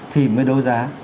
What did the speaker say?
thì mới đấu giá